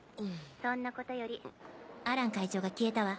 そんなことよりアラン会長が消えたわ。